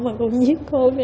mà con giết con